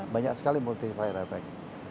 banyak sekali multi fire effect